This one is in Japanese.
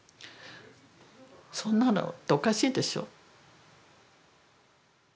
そんなのっておかしいでしょ。